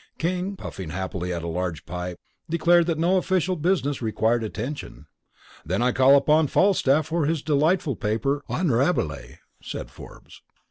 King, puffing happily at a large pipe, declared that no official business required attention. "Then I call upon Falstaff for his delightful paper on Rabelais," said Forbes.